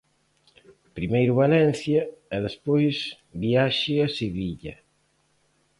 Primeiro Valencia e despois viaxe a Sevilla.